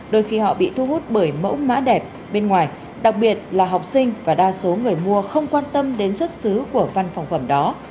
đôi khi họ bị thu hút bởi mẫu mã đẹp bên ngoài đặc biệt là học sinh và đa số người mua không quan tâm đến xuất xứ của văn phòng phẩm đó